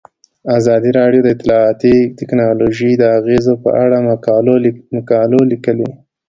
ازادي راډیو د اطلاعاتی تکنالوژي د اغیزو په اړه مقالو لیکلي.